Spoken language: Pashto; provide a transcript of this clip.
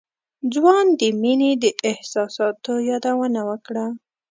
ځوان د مينې د احساساتو يادونه وکړه.